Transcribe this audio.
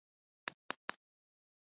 باز د خپل ښکار پر وړاندې رحم نه کوي